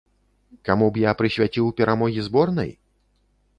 Каму б я прысвяціў перамогі зборнай?